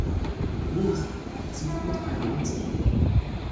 Ruth zieht mit einem Mann zusammen.